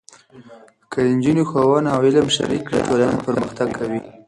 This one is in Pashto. که نجونې ښوونه او علم شریک کړي، ټولنه پرمختګ کوي.